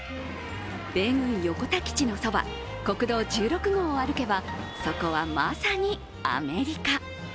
米軍横田基地のそば、国道１６号を歩けばそこはまさにアメリカ。